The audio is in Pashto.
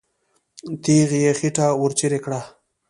تیغ یې خېټه ورڅېړې کړه.